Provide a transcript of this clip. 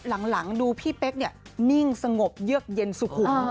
หลังดูพี่เป๊กเนี่ยนิ่งสงบเยือกเย็นสุขุม